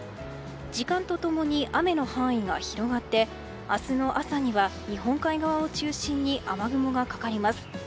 時間と共に雨の範囲が広がって明日の朝には日本海側を中心に雨雲がかかります。